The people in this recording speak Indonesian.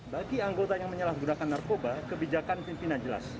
bagi anggota yang menyalahgunakan narkoba kebijakan pimpinan jelas